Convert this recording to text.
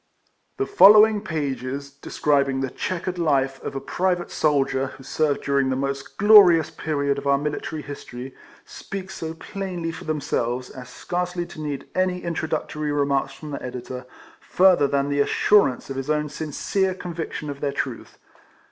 The following pages, describing the che= quered life of a private soldier, who served during the most glorious period of our military history, speak so plainly for them selves, as scarcely to need any introductory remarks from the editor, further than the assurance of his own sincere conviction of their truth.